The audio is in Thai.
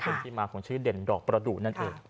เป็นที่มาของชื่อเด่นดอกประดูกนั่นเอง